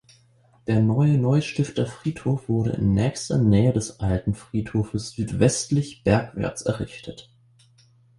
Der Neue Neustifter Friedhof wurde in nächster Nähe des alten Friedhofes südwestlich bergwärts errichtet.